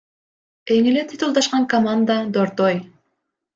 Эң эле титулдашкан команда — Дордой.